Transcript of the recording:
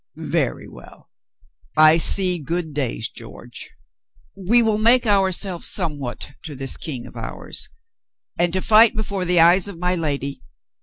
"Very well. ... I see good days, George. We will make ourselves somewhat to this King of ours. ... And to fight before the eyes of my lady."